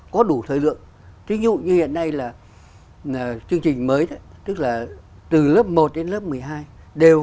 có đủ thời lượng thí dụ như hiện nay là chương trình mới tức là từ lớp một đến lớp một mươi hai đều